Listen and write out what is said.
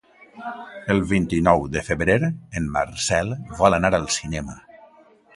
El vint-i-nou de febrer en Marcel vol anar al cinema.